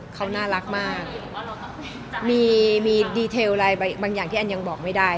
เขาน่ารักมากมีดีเทลอะไรบางอย่างที่แอนยังบอกไม่ได้